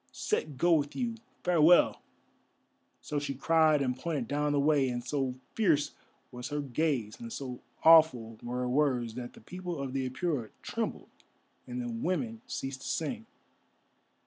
Set go with you. Farewell!" So she cried and pointed down the way, and so fierce was her gaze, and so awful were her words, that the people of the Apura trembled and the women ceased to sing.